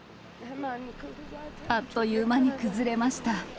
あっという間に崩れました。